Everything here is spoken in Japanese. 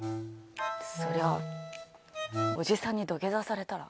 そりゃあおじさんに土下座されたら。